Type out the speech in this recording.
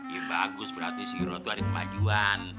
ya bagus berarti si rob tuh ada pemajuan